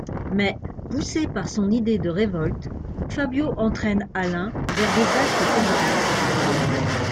Mais, poussé par son idée de révolte, Fabio entraine Alain vers des actes terroristes.